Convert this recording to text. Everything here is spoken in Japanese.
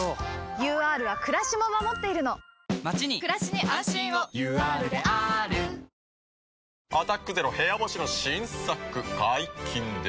ＵＲはくらしも守っているのまちにくらしに安心をＵＲであーる「アタックＺＥＲＯ部屋干し」の新作解禁です。